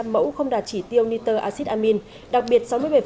hai mươi mẫu không đạt chỉ tiêu niter acid amine